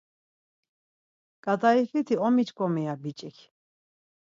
ǩat̆aifiti omiçǩomi ya biç̌ik.